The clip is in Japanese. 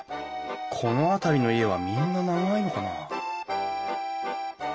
この辺りの家はみんな長いのかな？